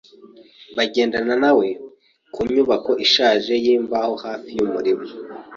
Bagendana na we ku nyubako ishaje yimbaho hafi yumurima.